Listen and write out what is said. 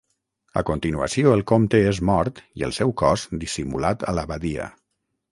A continuació el comte és mort i el seu cos dissimulat a la badia.